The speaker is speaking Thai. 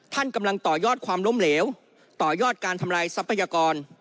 ท่านกำลังต่อยอดความล้มเหลวต่อยอดการทำลายทรัพยากร